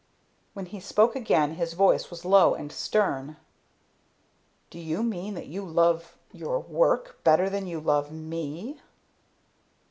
When he spoke again his voice was low and stern. "Do you mean that you love your work better than you love me?"